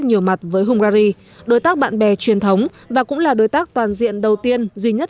nhiều mặt với hungary đối tác bạn bè truyền thống và cũng là đối tác toàn diện đầu tiên duy nhất